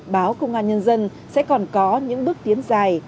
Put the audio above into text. báo công an nhân dân sẽ còn có những bước tiến dài